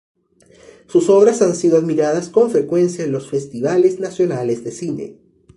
Sus obras han sido admiradas con frecuencia en los festivales nacionales de cine.